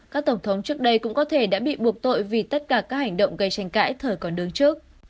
các tổng thống trước đây cũng có thể đã bị buộc tội vì tất cả các hành động gây tranh cãi thời còn đứng trước